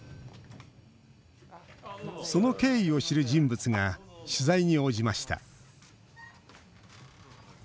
その経緯を知る人物が取材に応じました。